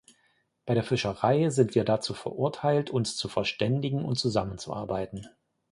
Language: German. Bei der Fischerei sind wir dazu verurteilt, uns zu verständigen und zusammenzuarbeiten.